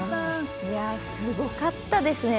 すごかったですね。